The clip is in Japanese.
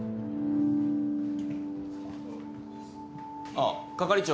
あっ係長。